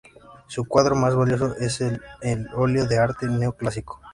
Su cuadro más valioso es en óleo De Arte Neo clásico.